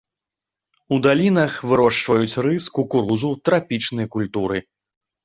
У далінах вырошчваюць рыс, кукурузу, трапічныя культуры.